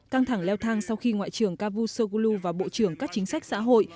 căng thẳng leo thang sau khi ngoại trưởng cavusoglu và bộ trưởng các chính sách xã hội